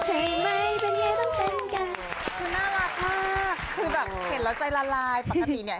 คือแบบเห็นแล้วใจละลายปกติเนี่ย